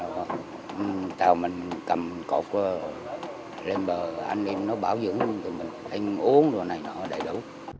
vô anh em vô mấy anh em đưa hết lên bờ vô anh em vô mấy anh em đưa hết lên bờ